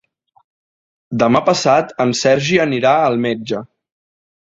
Demà passat en Sergi anirà al metge.